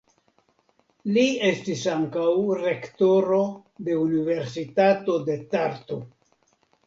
Li estis ankaŭ rektoro de Universitato de Tartu.